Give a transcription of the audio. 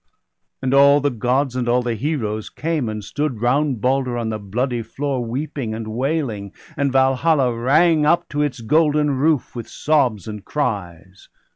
And all the Gods and all the Heroes came, And stood round Balder on the bloody floor, Weeping and wailing; and Valhalla rang Up to its golden roof with sobs and cries.